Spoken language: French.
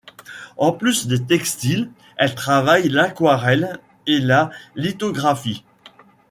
En plus des textiles, elle travaille l'aquarelle et la lithographie.